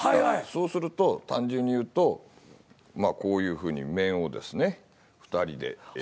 そうすると単純に言うとこういうふうに面をですね２人で。